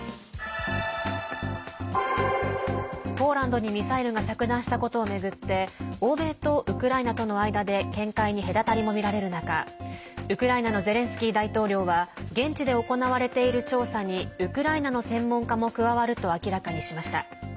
ポーランドにミサイルが着弾したことを巡って欧米とウクライナとの間で見解に隔たりも見られる中ウクライナのゼレンスキー大統領は現地で行われている調査にウクライナの専門家も加わると明らかにしました。